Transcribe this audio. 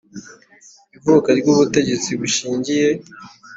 ivuka ry ubutegetsi bushingiye